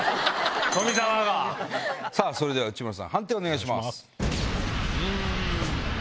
それでは内村さん判定お願いします。